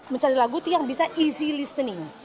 mencari lagu itu yang bisa easy listening